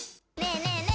ねえ？ねえ？